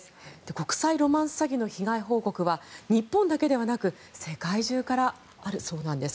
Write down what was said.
国際ロマンス詐欺の被害報告は日本だけでなく世界中からあるそうなんです。